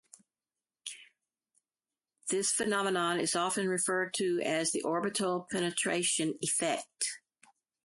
This phenomenon is often referred to as the orbital penetration effect.